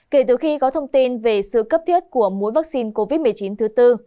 kể từ khi có thông tin về sự cấp thiết của mũi vaccine covid một mươi chín thứ tư